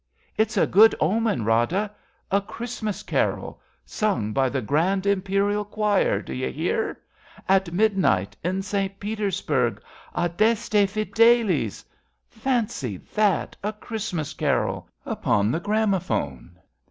It's a good omen, Rada — A Christmas carol Sung by the Gi^and Imperial Choir — d' you hear? — At midnight in St. Petersburg — Adeste Fideles ! Fancy that ! A Christmas carol Upon the gramophone